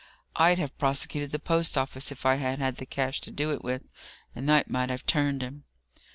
I'd have prosecuted the post office if I had had the cash to do it with, and that might have turned him."